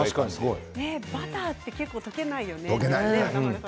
バターは結構溶けないですよね。